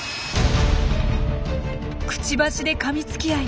くちばしでかみつき合い